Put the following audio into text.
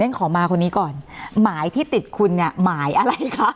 ขอมาคนนี้ก่อนหมายที่ติดคุณเนี่ยหมายอะไรคะ